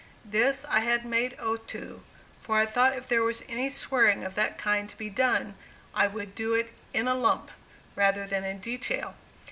This I had made oath to, for I thought if there was any swearing of that kind to be done I would do it "in a lump" rather than in detail.